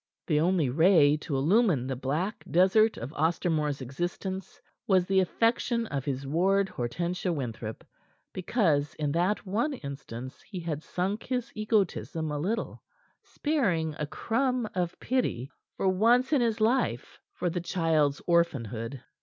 The only ray to illumine the black desert of Ostermore's existence was the affection of his ward, Hortensia Winthrop, because in that one instance he had sunk his egotism a little, sparing a crumb of pity for once in his life for the child's orphanhood.